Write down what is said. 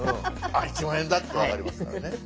あっ１０，０００円だって分かりますからね。